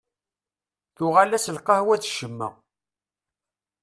Tuɣal-as lqahwa d ccemma.